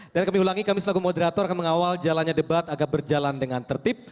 dan kami ulangi kami selalu moderator akan mengawal jalannya debat agar berjalan dengan tertib